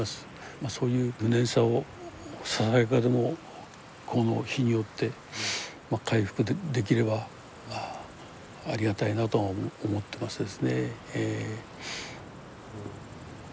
まそういう無念さをささやかでもこの碑によって回復できればありがたいなとは思ってますですねええ。